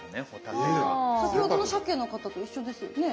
先ほどのしゃけの方と一緒ですよね。